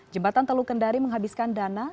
jembatan teluk kendari menghabiskan dana